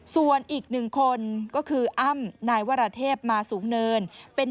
ส่วนอีกหนึ่งคนก็คืออ้ำนายวรเทพมาสูงเนิน